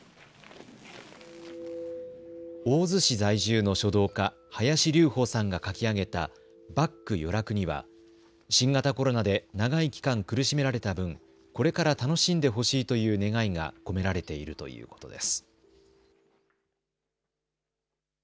大洲市在住の書道家、林龍峯さんが書き上げた抜苦与楽には、新型コロナで長い期間苦しめられた分、これから楽しんでほしいという願いが込められているということです。